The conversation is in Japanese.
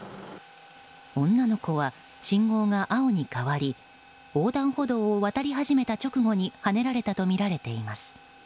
女の子は信号が青に変わり横断歩道を渡り始めた直後にはねられたとみられています。